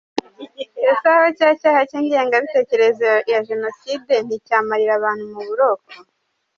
Ese aho cya cyaha cy’ingengabitekerezo ya jenoside nticyamarira abantu mu buroko?